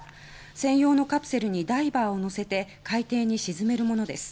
専用のカプセルにダイバーを乗せて海底に沈めるものです。